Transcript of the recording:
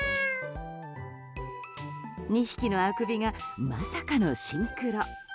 ２匹のあくびがまさかのシンクロ。